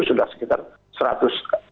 sudah sekitar rp seratus